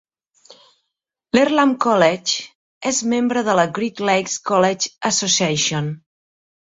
L'Earlham College és membre de la Great Lakes Colleges Association.